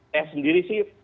saya sendiri sih